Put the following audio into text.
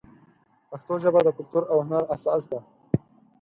پښتو ژبه د کلتور او هنر اساس دی.